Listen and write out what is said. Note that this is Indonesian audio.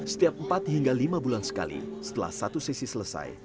setiap empat hingga lima bulan sekali setelah satu sesi selesai